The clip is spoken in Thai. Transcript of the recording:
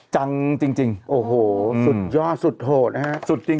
จริงโอ้โหสุดยอดสุดโหดนะฮะสุดจริง